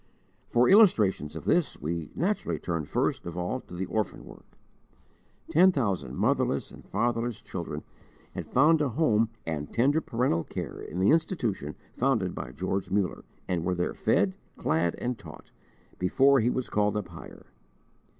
For illustrations of this we naturally turn first of all to the orphan work. Ten thousand motherless and fatherless children had found a home and tender parental care in the institution founded by George Muller, and were there fed, clad, and taught, before he was called up higher.